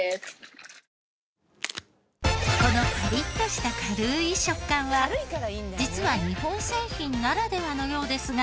このパリッとした軽い食感は実は日本製品ならではのようですが。